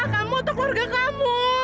kamu atau keluarga kamu